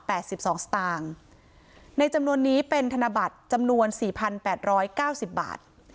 สิบสองสตางค์ในจำนวนนี้เป็นธนบัตรจำนวนสี่พันแปดร้อยเก้าสิบบาท